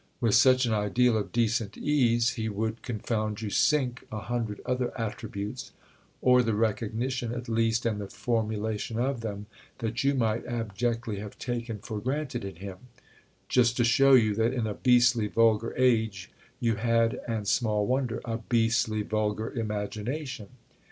With such an ideal of decent ease he would, confound you, "sink" a hundred other attributes—or the recognition at least and the formulation of them—that you might abjectly have taken for granted in him: just to show you that in a beastly vulgar age you had, and small wonder, a beastly vulgar imagination.